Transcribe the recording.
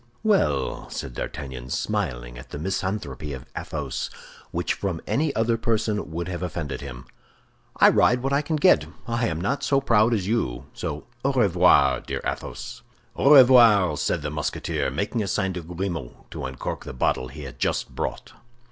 "Well," said D'Artagnan, smiling at the misanthropy of Athos, which from any other person would have offended him, "I ride what I can get; I am not so proud as you. So au revoir, dear Athos." "Au revoir," said the Musketeer, making a sign to Grimaud to uncork the bottle he had just brought.